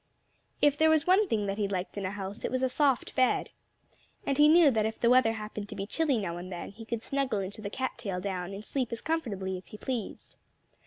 If there was one thing that he liked in a house it was a soft bed. And he knew that if the weather happened to be chilly now and then, he could snuggle into the cat tail down and sleep as comfortably as he pleased.